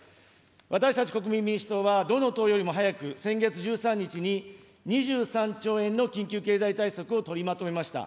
私たち国民民主党は、どの党よりも早く、先月１３日に、２３兆円の緊急経済対策を取りまとめました。